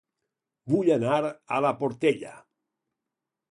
Vull anar a La Portella